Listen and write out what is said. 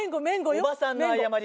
おばさんの謝り方。